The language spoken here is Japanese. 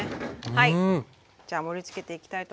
はい。